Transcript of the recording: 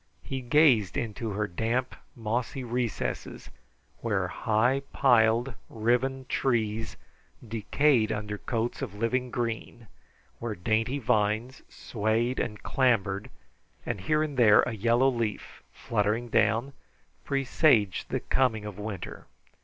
He gazed into her damp, mossy recesses where high piled riven trees decayed under coats of living green, where dainty vines swayed and clambered, and here and there a yellow leaf, fluttering down, presaged the coming of winter.